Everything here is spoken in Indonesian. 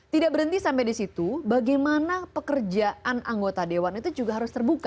tidak berhenti sampai di situ bagaimana pekerjaan anggota dewan itu juga harus terbuka